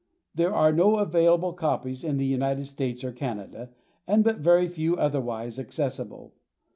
There are no available copies in the United States or Canada and but very few otherwise accessible.